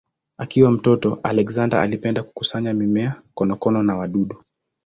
Akiwa mtoto Alexander alipenda kukusanya mimea, konokono na wadudu.